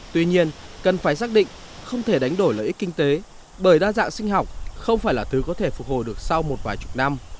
tuy nhiên cần phải xác định không thể đánh đổi lợi ích kinh tế bởi đa dạng sinh học không phải là thứ có thể phục hồi được sau một vài chục năm